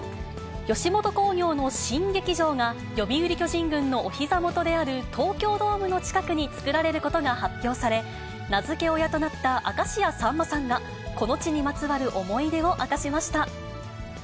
吉本興業の新劇場が、読売巨人軍のおひざもとである東京ドームの近くに作られることが発表され、名付け親となった明石家さんまさんが、この地にまつわる思い出を明かしました。